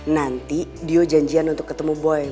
nanti dia janjian untuk ketemu boy